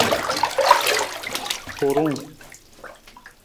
Hurung.